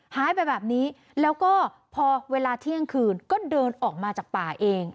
หายไปแบบนี้แล้วก็พอเวลาเที่ยงคืนก็เดินออกมาจากป่าเอง